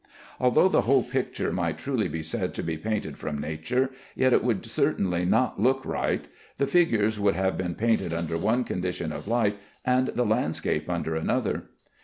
Although the whole picture might truly be said to be painted from nature, yet it would certainly not look right. The figures would have been painted under one condition of light, and the landscape under another.